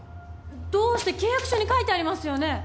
どうして契約書に書いてありますよね